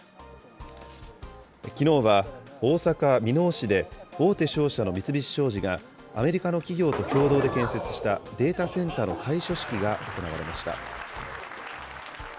きのうは大阪・箕面市で大手商社の三菱商事がアメリカの企業と共同で建設したデータセンターの開所式が行われました。